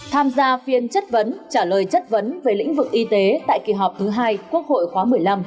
tham gia phiên chất vấn trả lời chất vấn về lĩnh vực y tế tại kỳ họp thứ hai quốc hội khóa một mươi năm